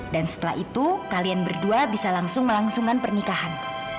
dan setelah itu kalian berdua bisa langsung melangsungkan pernikahan